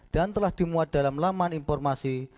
dan telah dimuat dalam laman informasi